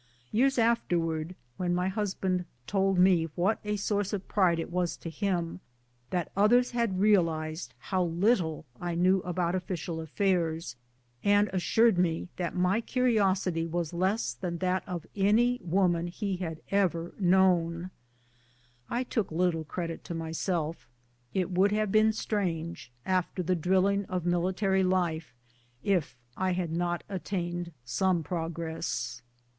Years afterwards, when my husband told me what a source of pride it was to him that others had realized how little I knew about official affairs, and assured me that my curiosity was less than that of any woman he had ever known, I took little credit to myself. It would have been strange, after the drilling of military, life, if I had not attained some progress.